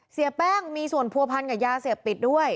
เสียแป้งมีส่วนผัวพันกับยาเสพติดด้วย